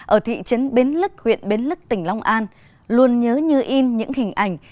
ở thị trấn bến lức huyện bến lức tỉnh long an luôn nhớ như in những hình ảnh